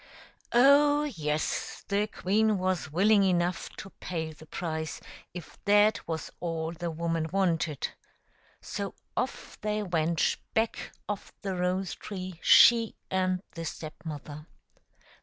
Oh, yes ; the queen was willing enough to pay the price, if that was all the woman wanted. So off they went back of the rose tree, she and the Step mother.